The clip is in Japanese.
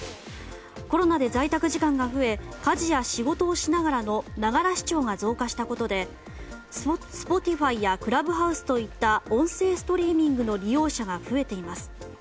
コロナで在宅時間が増え家事や仕事をしながらのながら視聴が増加したことでＳｐｏｔｉｆｙやＣｌｕｂｈｏｕｓｅといった音声ストリーミングの利用者が増えています。